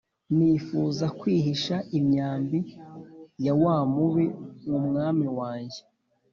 Nifuza kwihisha imyambi ya wamubi mu mwami wanjye